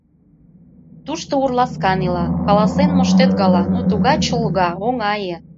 Тушто ур ласкан ила Каласен моштет гала Ну тугай чолга, оҥае